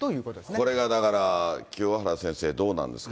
これがだから、清原先生、どうなんですか？